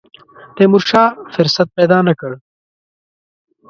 تیمورشاه فرصت پیدا نه کړ.